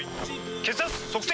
血圧測定！